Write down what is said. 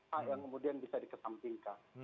hak yang kemudian bisa dikesampingkan